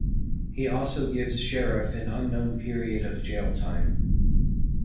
He also gives Sheriff an unknown period of jail time.